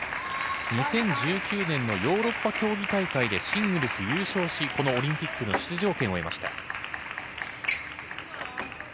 ２０１９年のヨーロッパ競技大会でシングルスで優勝し、このオリンピックの出場権を得ました。